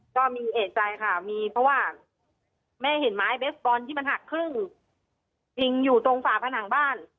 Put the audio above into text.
ก็มีเอกใจค่ะมีเพราะว่าแม่เห็นไม้เบสบอลที่มันหักครึ่งยิงอยู่ตรงฝาผนังบ้าน